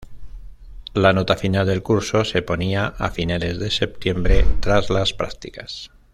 La nota final del curso se ponía a finales de septiembre, tras las prácticas.